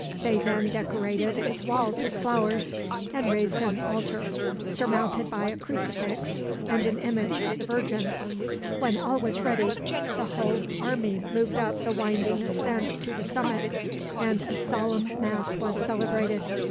They then decorated its walls with flowers, and raised an altar, surmounted by a crucifix and an image of the Virgin. When all was ready, the whole army moved up the winding ascent to the summit, and a solemn mass was celebrated.